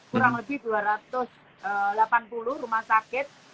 kurang lebih dua ratus delapan puluh rumah sakit